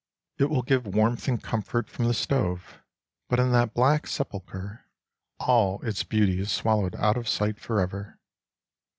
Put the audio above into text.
It will give warmth and comfort from the stove, but in that black sepulchre all its beauty is swallowed out of sight forever.